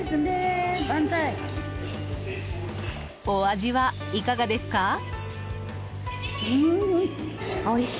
お味はいかがですか？